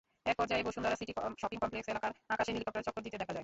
একপর্যায়ে Bashundhara city shopping complex এলাকার আকাশে হেলিকপ্টার চক্কর দিতে দেখা যায়।